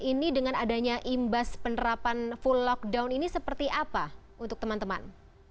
ini dengan adanya imbas penerapan full lockdown ini seperti apa untuk teman teman